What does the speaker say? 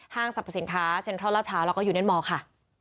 สรรพสินค้าเซ็นทรัลลาดพร้าวแล้วก็ยูเนนมอร์ค่ะ